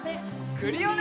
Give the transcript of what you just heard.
クリオネ！